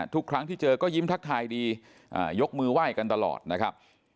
ทุกครั้งที่เจอก็ยิ้มทักทายดียกมือไหว้กันตลอดนะครับ